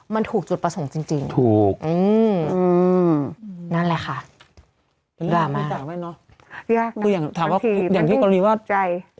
มันถูกจุดประสงค์จริงอืมนั่นแหละค่ะดรามมากมันต้องช่วยใจ